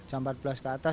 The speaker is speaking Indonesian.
jam empat belas ke atas